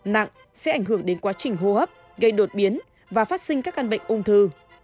nặng sẽ ảnh hưởng đến quá trình hô hấp gây đột biến và phát sinh các căn bệnh ung thư